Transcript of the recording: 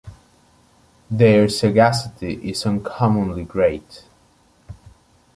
Their sagacity is uncommonly great.